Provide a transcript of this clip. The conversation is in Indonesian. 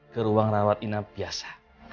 ke ruang rawat inap biasa